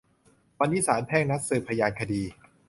วันนี้ศาลแพ่งนัดสืบพยานคดี